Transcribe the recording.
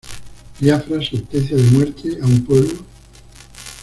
Biafra, Sentencia de Muerte a un Pueblo?